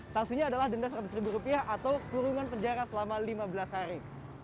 sanksinya adalah denda seratus ribu rupiah atau kurungan penjara selama lima belas hari